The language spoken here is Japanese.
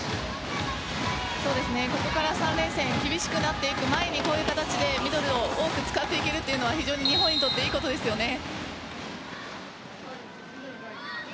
ここから３連戦厳しくなっていく前にこういう形でミドルを多く使っていけるのは非常に日本にとって良いことですよね。